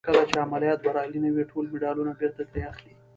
کله چې عملیات بریالي نه وي ټول مډالونه بېرته ترې اخلي.